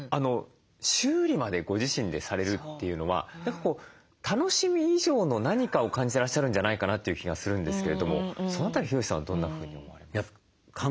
修理までご自身でされるというのは楽しみ以上の何かを感じてらっしゃるんじゃないかなという気がするんですけれどもその辺りヒロシさんはどんなふうに思われますか？